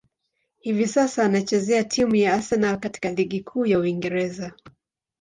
Hivi sasa, anachezea timu ya Arsenal katika ligi kuu ya Uingereza.